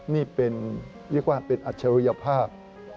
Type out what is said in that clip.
นี่เป็นเรียกว่าเป็นอัจฉริยภาพ